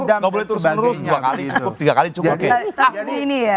nggak boleh terus menerus dua kali cukup tiga kali cukup